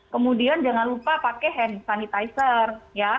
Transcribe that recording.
kemudian jangan lupa pakai hand sanitizer ya